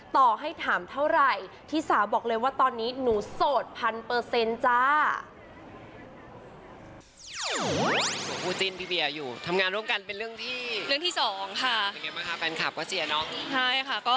ต่อให้ถามเท่าไหร่พี่สาวบอกเลยว่าตอนนี้หนูโสดพันเปอร์เซ็นต์จ้า